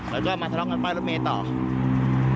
แล้วก็มาทะเลาะกันไปรุ่นเมตรต่อ